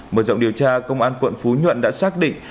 mở rộng điều tra công an quận phú nhuận đã xác định